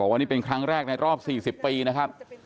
ว่านี่เป็นครั้งแรกในรอบ๔๐ปีนะครับ